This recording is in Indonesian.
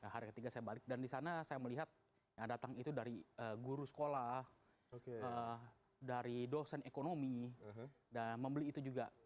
hari ketiga saya balik dan di sana saya melihat yang datang itu dari guru sekolah dari dosen ekonomi dan membeli itu juga